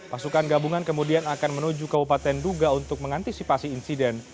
pasukan gabungan kemudian akan menuju kabupaten duga untuk mengantisipasi insiden